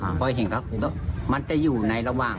เขาจะเห็นครับมันจะอยู่ในระหว่าง